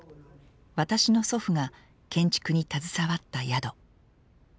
私の祖父が建築に携わった宿。